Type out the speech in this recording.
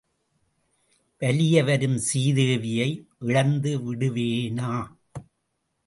வலிய வரும் சீதேவியை இழந்து விடுவேனா?